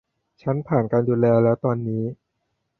ฉันผ่านการดูแลแล้วตอนนี้